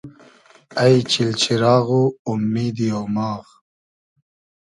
اݷ چیل چیراغ و اومیدی اۉماغ